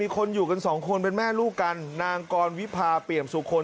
คนอยู่กันสองคนเป็นแม่ลูกกันนางกรวิพาเปี่ยมสุคล